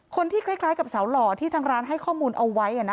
คล้ายกับสาวหล่อที่ทางร้านให้ข้อมูลเอาไว้